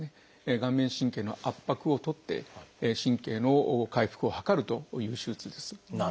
顔面神経の圧迫をとって神経の回復を図るという手術です。